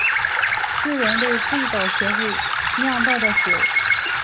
是人类最早学会酿造的酒。